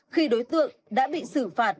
khi đối tượng đã bị xử phạt